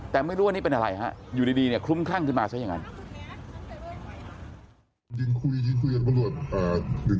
แต่ไม่รู้ว่านี่เป็นอะไรฮะอยู่ดีเนี่ยคลุ้มคลั่งขึ้นมาซะอย่างนั้น